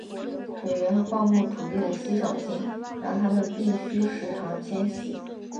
水源和放牧土地的稀少性让他们必须时常迁徙。